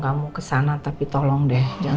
kamu ke sana tapi tolong deh jangan